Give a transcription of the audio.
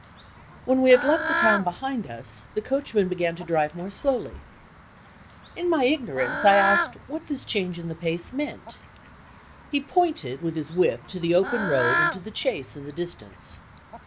When we had left the town behind us, the coachman began to drive more slowly. In my ignorance, I asked what this change in the pace meant. He pointed with his whip to the open road and to the chaise in the distance.